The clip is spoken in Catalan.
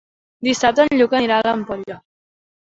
Dissabte en Lluc anirà a l'Ampolla.